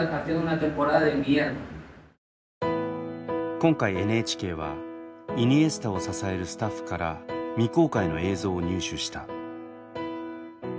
今回ＮＨＫはイニエスタを支えるスタッフから未公開の映像を入手した。